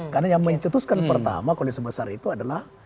karena yang mencetuskan pertama koalisi besar itu adalah